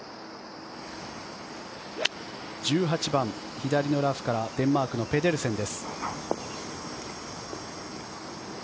１８番、左のラフからデンマークのペデルセンです。